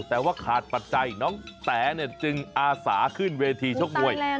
แต่ว่าขาดปัจจัยน้องแต๋จึงอาสาขึ้นเวทีชกมวย